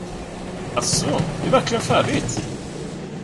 Jaså, det är verkligen färdigt!